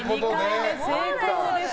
２回目成功です。